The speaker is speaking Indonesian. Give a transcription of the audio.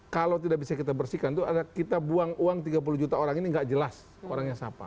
kalau tidak bisa kita bersihkan itu kita buang uang tiga puluh juta orang ini nggak jelas orangnya siapa